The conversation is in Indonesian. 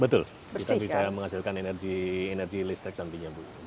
betul kita bisa menghasilkan energi listrik nantinya bu